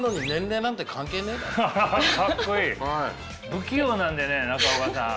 不器用なんでね中岡さん。